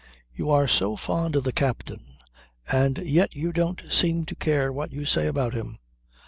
"You are so fond of the captain and yet you don't seem to care what you say about him.